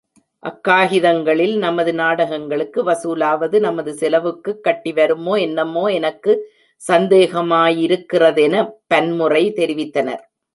அக்காகிதங்களில் நமது நாடகங்களுக்கு வசூலாவது நமது செலவுக்குக் கட்டிவருமோ என்னமோ எனக்கு சந்தேகமாயிருக்கிறதெனப் பன்முறை தெரிவித்தனர்.